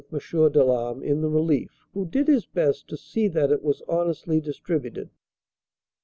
Delame in the relief, who did his best to see that it was honestly distributed.